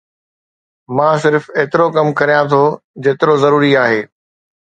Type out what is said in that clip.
مان صرف ايترو ڪم ڪريان ٿو جيترو ضروري آهي